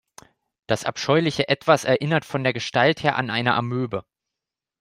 Das abscheuliche Etwas erinnerte von der Gestalt her an eine Amöbe.